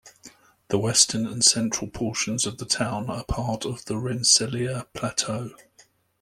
The western and central portions of the town are part of the Rensselaer Plateau.